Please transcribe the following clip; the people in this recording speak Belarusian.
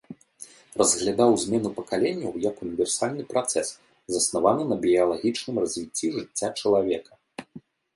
Разглядаў змену пакаленняў як універсальны працэс, заснаваны на біялагічным развіцці жыцця чалавека.